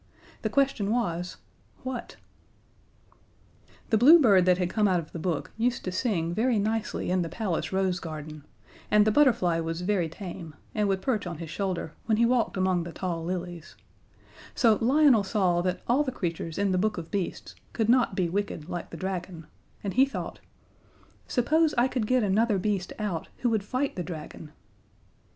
The question was, what? The Blue Bird that had come out of the book used to sing very nicely in the Palace rose garden, and the Butterfly was very tame, and would perch on his shoulder when he walked among the tall lilies: so Lionel saw that all the creatures in The Book of Beasts could not be wicked, like the Dragon, and he thought: "Suppose I could get another beast out who would fight the Dragon?"